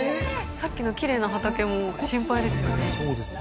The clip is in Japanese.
さっきのきれいな畑も心配ですよね